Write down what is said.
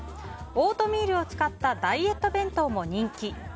オートミールを使ったダイエット弁当も人気。